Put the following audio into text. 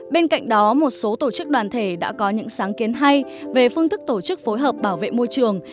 bên cạnh đó một số tổ chức đoàn thể đã có những sáng kiến hay về phương thức tổ chức phối hợp bảo vệ môi trường